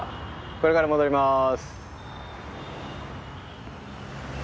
これから戻ります。